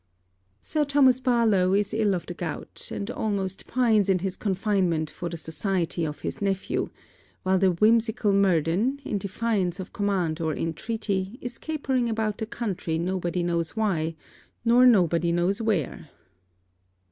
Sir Thomas Barlowe is ill of the gout, and almost pines in his confinement for the society of his nephew; while the whimsical Murden, in defiance of command or intreaty, is capering about the country nobody knows why, nor nobody knows where.